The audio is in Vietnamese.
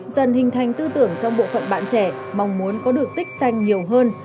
dần hình thành tư tưởng trong bộ phận bạn trẻ mong muốn có được tích xanh nhiều hơn